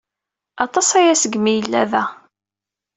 Aṭas aya seg mi ay yella da.